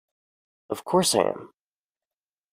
Of course I am!